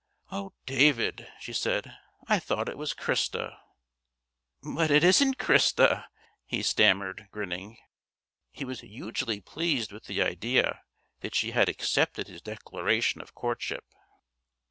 "Oh, David!" she said; "I thought it was Christa." "But it isn't Christa," he stammered, grinning. He was hugely pleased with the idea that she had accepted his declaration of courtship.